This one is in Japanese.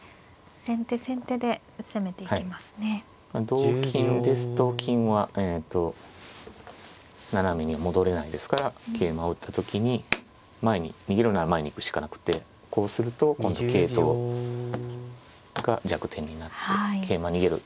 同金ですと金はえと斜めに戻れないですから桂馬を打った時に前に逃げるなら前に行くしかなくてこうすると今度桂頭が弱点になって桂馬逃げる